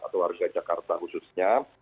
atau warga jakarta khususnya